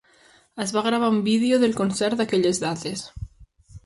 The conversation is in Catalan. Es va gravar un vídeo del concert d'aquelles dates.